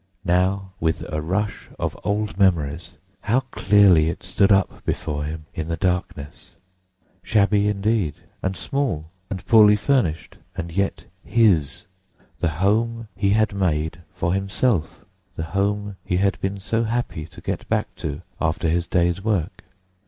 Now, with a rush of old memories, how clearly it stood up before him, in the darkness! Shabby indeed, and small and poorly furnished, and yet his, the home he had made for himself, the home he had been so happy to get back to after his day's work.